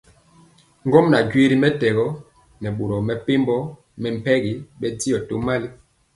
Ŋgomnaŋ joee ri mɛtɛgɔ nɛ boro mepempɔ mɛmpegi bɛndiɔ tomali.